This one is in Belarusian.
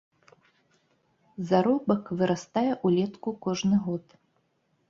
Заробак вырастае ўлетку кожны год.